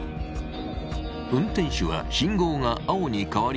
運転手は信号が青に変わり発進。